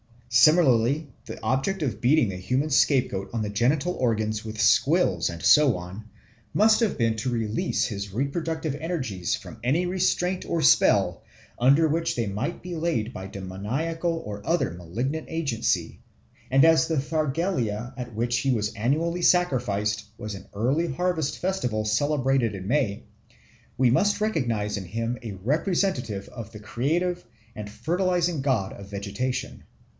Similarly the object of beating the human scapegoat on the genital organs with squills and so on, must have been to release his reproductive energies from any restraint or spell under which they might be laid by demoniacal or other malignant agency; and as the Thargelia at which he was annually sacrificed was an early harvest festival celebrated in May, we must recognise in him a representative of the creative and fertilising god of vegetation.